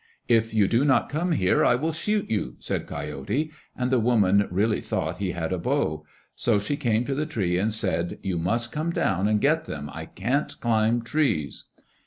"If you do not come here I will shoot you," said Coyote, and the woman really thought he had a bow. So she came to the tree and said, "You must come down and get them. I can't climb trees."